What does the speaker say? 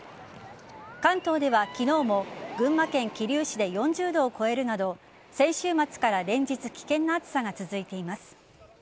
関東では昨日も群馬県桐生市で４０度を超えるなど先週末から連日危険な暑さが続いています。